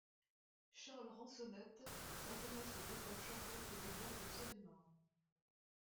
Charles Ransonnette s’intéresse aux décors champêtres des bords de Seine et de Marne.